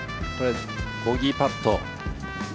ボギーパット。